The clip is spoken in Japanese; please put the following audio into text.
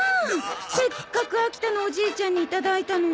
せっかく秋田のおじいちゃんにいただいたのに。